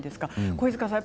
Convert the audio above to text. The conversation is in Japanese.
肥塚さん